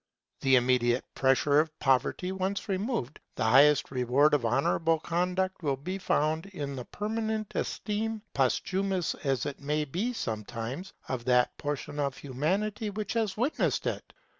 The immediate pressure of poverty once removed, the highest reward of honourable conduct will be found in the permanent esteem, posthumous as it may be sometimes, of that portion of Humanity which has witnessed it.